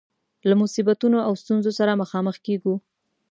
له مصیبتونو او ستونزو سره مخامخ کيږو.